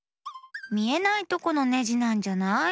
みえないとこのネジなんじゃない？